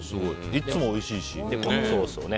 いつもおいしいし。